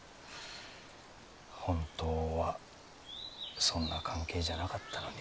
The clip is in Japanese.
本当はそんな関係じゃなかったのに。